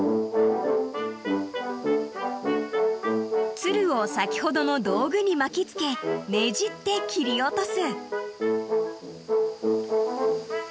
［つるを先ほどの道具に巻きつけねじって切り落とす］